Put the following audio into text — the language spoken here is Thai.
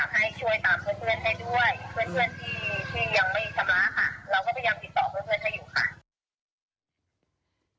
เราก็พยายามติดต่อเพื่อนให้อยู่ค่ะ